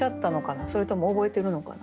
それとも覚えてるのかな？